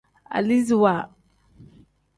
Aliziwa.